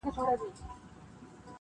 خدای بې اجر راکړي بې ګنا یم ښه پوهېږمه.